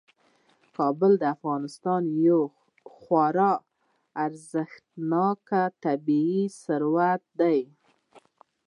کابل د افغانستان یو خورا ارزښتناک طبعي ثروت دی.